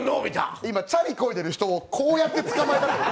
今、チャリ漕いでる人をこうやってつかまえたってこと？